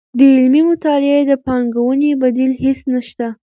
د علمي مطالعې د پانګوونې بدیل هیڅ نشته.